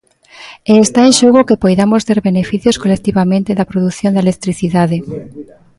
E está en xogo que poidamos ter beneficios colectivamente da produción da electricidade.